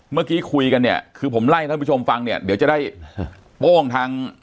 เมื่อกี้คุยกันเนี่ยคือผมไล่ให้ท่านผู้ชมฟังเนี่ยเดี๋ยวจะได้โป้งทาง